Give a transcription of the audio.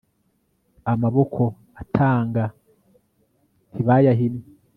amaboko atanga ntibayahinnye